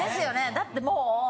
だってもう。